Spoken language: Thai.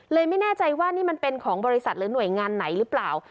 ไม่แน่ใจว่านี่มันเป็นของบริษัทหรือหน่วยงานไหนหรือเปล่า